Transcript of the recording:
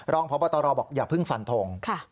รองพระบัตรรอบอกอย่าพึ่งฝันทง